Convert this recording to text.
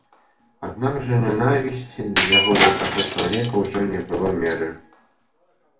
Аднак жа нянавісці яго да таго чалавека ўжо не было меры.